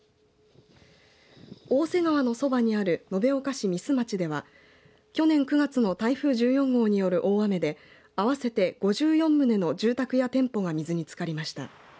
大瀬川のそばにある延岡市三須町では去年９月の台風１４号による大雨で合わせて５４棟の住宅や店舗が水につかりました。